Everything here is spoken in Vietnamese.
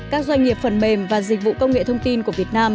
các doanh nghiệp phần mềm và dịch vụ công nghệ thông tin của việt nam